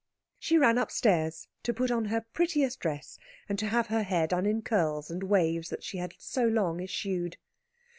She ran upstairs to put on her prettiest dress, and to have her hair done in the curls and waves she had so long eschewed.